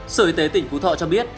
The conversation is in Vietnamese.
sở y tế tỉnh phú thọ cho biết